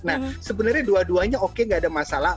nah sebenarnya dua duanya oke gak ada masalah